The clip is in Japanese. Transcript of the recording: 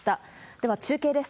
では中継です。